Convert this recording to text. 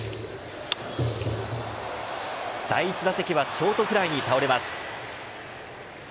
第１打席はショートフライに倒れます。